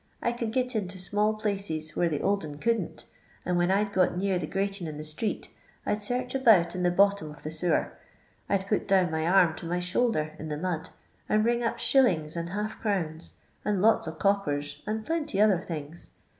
I could git into small places where the old un couldn't, and when I *d got near the grating in the street, I 'd search about in the bottom of the sewer ; I *4 put down my arm to my shoulder in the mud and bring up shillings and half crowns, and lots of coppers, and plenty other things.